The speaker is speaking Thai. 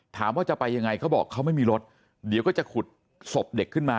ถามว่าจะไปยังไงเขาบอกเขาไม่มีรถเดี๋ยวก็จะขุดศพเด็กขึ้นมา